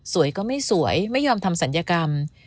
ก็ไม่สวยไม่ยอมทำศัลยกรรม